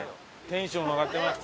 テンション上がってます。